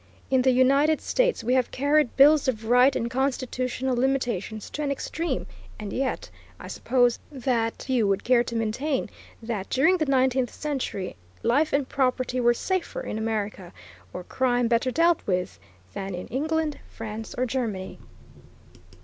In the United States we have carried bills of right and constitutional limitations to an extreme, and yet, I suppose that few would care to maintain that, during the nineteenth century, life and property were safer in America, or crime better dealt with, than in England, France, or Germany.